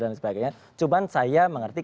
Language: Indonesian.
dan sebagainya cuman saya mengerti